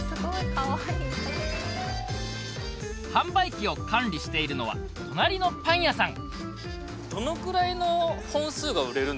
販売機を管理しているのは隣のパン屋さん